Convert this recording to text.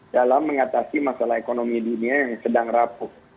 dalam mengatasi masalah ekonomi dunia yang sedang rapuh